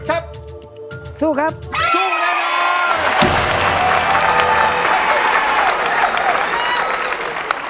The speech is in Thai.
หยุดครับสู้ครับสู้ครับท่านท่าน